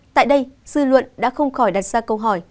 tại đây dư luận đã không khỏi đặt ra câu hỏi